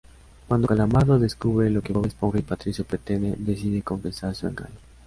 Cuando Calamardo descubre lo que Bob Esponja y Patricio pretenden, decide confesar su engaño.